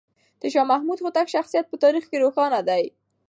د شاه محمود هوتک شخصیت په تاریخ کې روښانه دی.